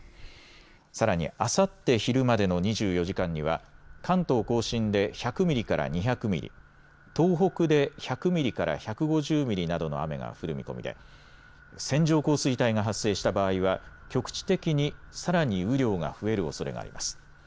さらにあさって昼までの２４時間には関東甲信で１００ミリから２００ミリ、東北で１００ミリから１５０ミリなどの雨が降る見込みで線状降水帯が発生した場合は局地的にさらに雨量が増えるおそれがあります。